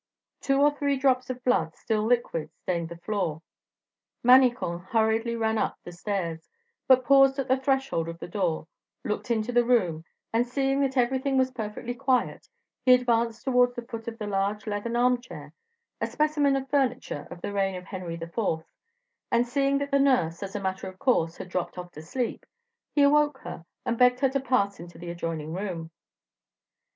Two or three drops of blood, still liquid, stained the floor. Manicamp hurriedly ran up the stairs, but paused at the threshold of the door, looked into the room, and seeing that everything was perfectly quiet, he advanced towards the foot of the large leathern armchair, a specimen of furniture of the reign of Henry IV., and seeing that the nurse, as a matter of course, had dropped off to sleep, he awoke her, and begged her to pass into the adjoining room.